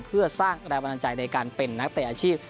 เพื่อสร้างแรงบันดาลใจในการเป็นนักเตะอาชีพ